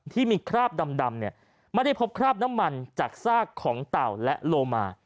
ที่มีคราบดำเนี่ยไม่ได้พบคราบน้ำมันจากซากของเต่าและโลมา